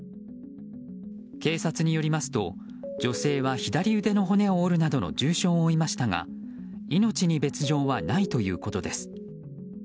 警察によりますと女性は左腕の骨を折るなどの重傷を負いましたが命に別条はないということです。